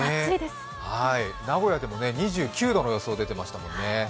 名古屋でも２９度の予想が出ていましたもんね。